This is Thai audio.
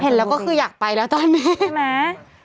เห็นแล้วก็คืออยากไปแล้วตอนนี้